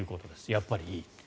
やっぱりいいと。